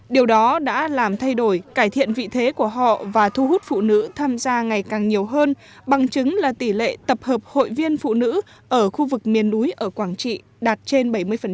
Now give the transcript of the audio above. điều đó đã làm thay đổi cải thiện vị thế của họ và thu hút phụ nữ tham gia ngày càng nhiều hơn bằng chứng là tỷ lệ tập hợp hội viên phụ nữ ở khu vực miền núi ở quảng trị đạt trên bảy mươi